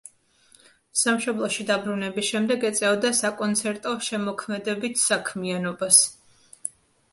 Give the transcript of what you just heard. სამშობლოში დაბრუნების შემდეგ ეწეოდა საკონცერტო შემოქმედებით საქმიანობას.